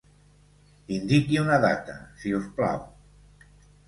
Indiqui una data, si us plau.